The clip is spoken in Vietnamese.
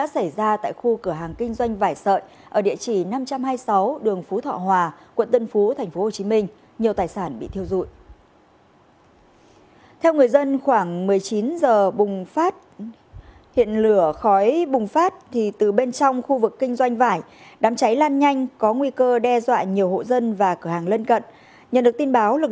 xin kính chào và hẹn gặp lại